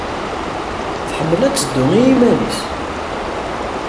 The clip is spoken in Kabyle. Tḥemmel ad teddu i yiman-nnes.